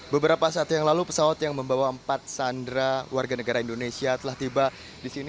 beberapa saat yang lalu pesawat yang membawa empat sandra warga negara indonesia telah tiba di sini